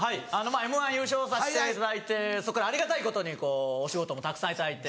『Ｍ−１』優勝させていただいてそっからありがたいことにお仕事もたくさん頂いて。